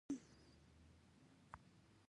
دا زموږ د نجات یوازینۍ لاره ده.